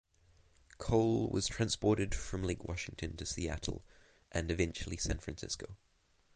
Coal was transported from Lake Washington to Seattle and eventually San Francisco.